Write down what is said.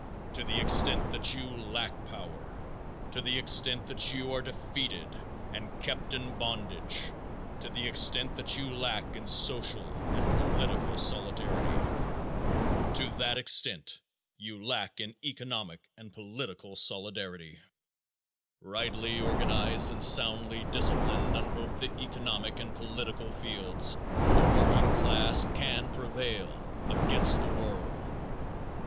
To the extent that you lack power, to the extent that you are defeated and kept in bondage, to that extent you lack in economic and political solidarity. Rightly organized and soundly disciplined on both the economic and political fields, the working class can prevail against the world.